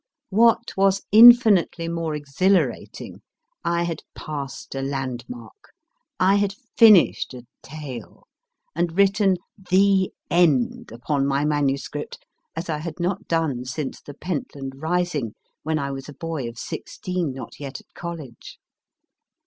What was infinitely more exhilarating, I had passed a landmark ; I had finished a tale, and written The End upon my manuscript, as I had not done since The Pentland Rising, when I was a boy of sixteen not yet at college.